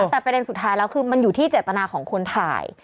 แต่ประเด็นสุดท้ายแล้วคือมันอยู่ที่เจตนาของคนถ่าย